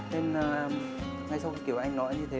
nên ngay sau khi kiểu anh nói như thế